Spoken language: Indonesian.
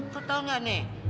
kau tau gak nih